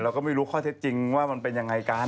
เราก็ไม่รู้ข้อเท็จจริงว่ามันเป็นยังไงกัน